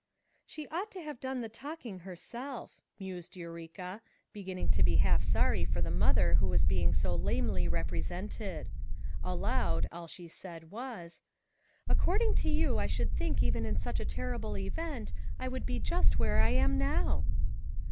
"She ought to have done the talking her self," mused Eureka, beginning to be half sorry for the mother who was being so lamely represented. Aloud, all she said was: "According to you I should think even in such a terrible event I would be just where I am now."